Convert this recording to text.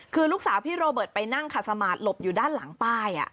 คือลูกสาวพี่โรเบิร์ตไปนั่งขัดสมาธิหลบอยู่ด้านหลังป้าย